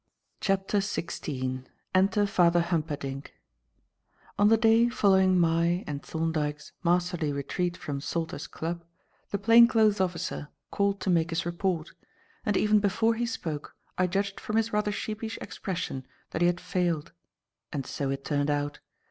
CHAPTER XVI ENTER FATHER HUMPERDINCK ON the day following my and Thorndyke's masterly retreat from Salter's Club, the plain clothes officer called to make his report; and even before he spoke, I judged from his rather sheepish expression that he had failed. And so it turned out.